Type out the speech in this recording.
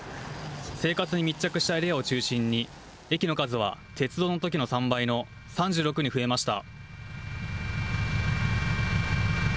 生活に密着したエリアを中心に、駅の数は鉄道のときの３倍の３６に増えました。